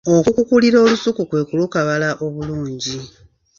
Okukukulira olusuku kwe kulukabala obulungi.